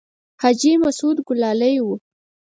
حاجي مسعود ګلالی و.